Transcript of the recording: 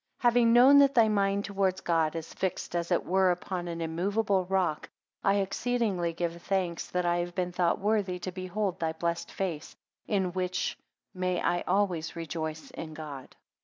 2 Having known that thy mind towards God, is fixed as it were upon an immoveable rock; I exceedingly give thanks, that I have been thought worthy to behold thy blessed face, in which may I always rejoice in God.